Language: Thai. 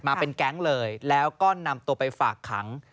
มาเป็นแก๊งเลยแล้วก็นำตัวไปฝากขัง